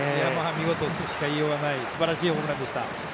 見事としかいいようがないすばらしいホームランでした。